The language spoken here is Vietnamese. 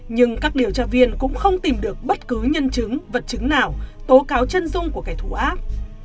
nhưng các điều tra viên cũng không tìm được bất cứ nhân chứng vật chứng nào tố cáo chân dung của kẻ thù ác